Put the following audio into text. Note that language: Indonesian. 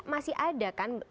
masih ada kan